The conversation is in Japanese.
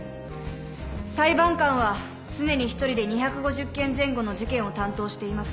裁判官は常に１人で２５０件前後の事件を担当しています。